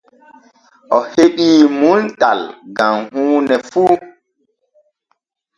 O heɓa muntal gam huune fu.